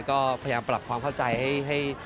ก็พยายามปรับความเข้าใจให้